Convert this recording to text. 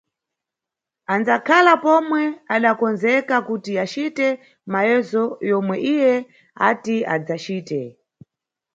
Andzakhala pomwe adakondzeka kuti acite mayezo yomwe iye ati adzacite.